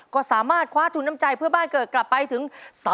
ก็สามารถคว้าทุนน้ำใจเพื่อบ้านเกิดกลับไปถึง